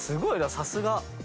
さすが。